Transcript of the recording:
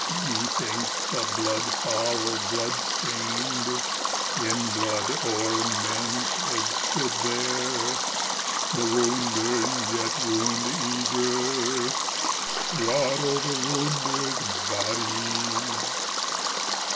Methinks the blood fowl blood stained In blood der men's heads stood there, The wound erne yet wound eager Trod over wounded bodies?"